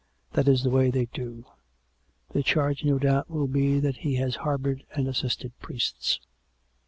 That is the way they do. The charge, no doubt, will be that he has harboured and assisted priests."